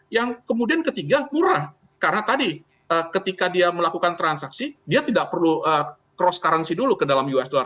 yang kemudian ketiga murah karena tadi ketika dia melakukan transaksi dia tidak perlu cross currency dulu ke dalam usd